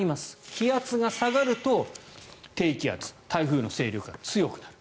気圧が下がると、低気圧台風の勢力が強くなる。